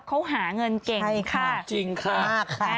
เขาหาเงินเก่งค่ะใช่ค่ะจริงค่ะค่ะ